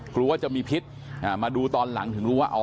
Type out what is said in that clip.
กลัวว่าจะมีพิษมาดูตอนหลังถึงรู้ว่าอ๋อ